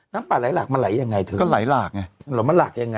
น้ำป่าไหลหลากมันไหลยังไงเธอก็ไหลหลากไงหลมันหลากยังไง